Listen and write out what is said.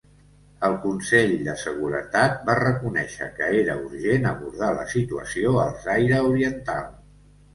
El Consell de Seguretat va reconèixer que era urgent abordar la situació al Zaire oriental.